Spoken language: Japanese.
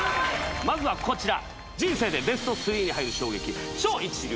まずはこちら。